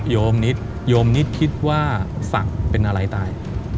โยมนิดโยมนิดคิดว่าศักดิ์เป็นอะไรตาย